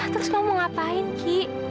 terus kamu ngapain ki